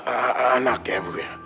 ee anak yah bu